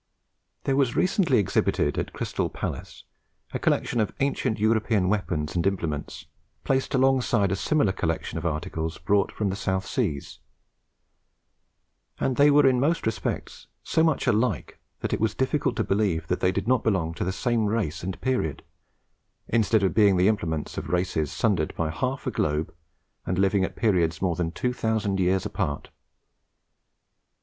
There was recently exhibited at the Crystal Palace a collection of ancient European weapons and implements placed alongside a similar collection of articles brought from the South Seas; and they were in most respects so much alike that it was difficult to believe that they did not belong to the same race and period, instead of being the implements of races sundered by half the globe, and living at periods more than two thousand years apart.